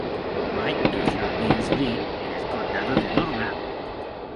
Wright nació en Byers Green en el condado de Durham.